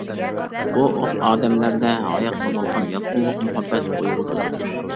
بۇ ئوت ئادەملەردە ھاياتقا بولغان يالقۇنلۇق مۇھەببەت ئويغىتىدۇ.